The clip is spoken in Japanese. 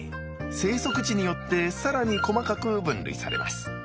生息地によって更に細かく分類されます。